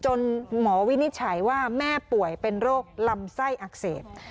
หมอวินิจฉัยว่าแม่ป่วยเป็นโรคลำไส้อักเสบ